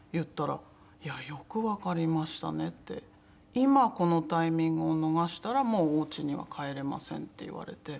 「今このタイミングを逃したらもうおうちには帰れません」って言われて。